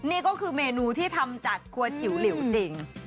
นี่ก็คือเมนูที่ทำจากครัวจิ๋วหลิวจริง